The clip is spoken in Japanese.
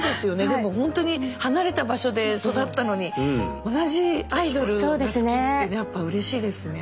でも本当に離れた場所で育ったのに同じアイドルが好きってねやっぱうれしいですね。